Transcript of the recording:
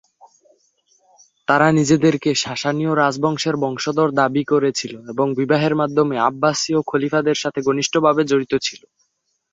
তারা নিজেদেরকে সাসানীয় রাজবংশের বংশধর দাবি করেছিল এবং বিবাহের মাধ্যমে আব্বাসীয় খলিফাদের সাথে ঘনিষ্ঠভাবে জড়িত ছিল।